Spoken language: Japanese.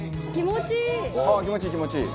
「気持ちいい気持ちいい！」